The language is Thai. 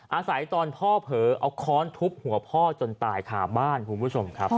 อาศัยตอนพ่อเผลอเอาค้อนทุบหัวพ่อจนตายขาบ้านคุณผู้ชมครับ